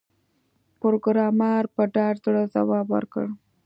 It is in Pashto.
پروګرامر په ډاډه زړه ځواب ورکړ